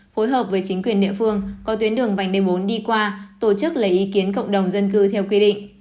phối hợp với chính quyền địa phương có tuyến đường vành đai bốn đi qua tổ chức lấy ý kiến cộng đồng dân cư theo quy định